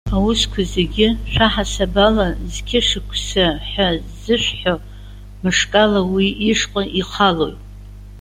Аусқәа зегьы, шәаҳасаб ала, зқьы шықәса ҳәа ззышәҳәо мышкала уи ишҟа ихалоит.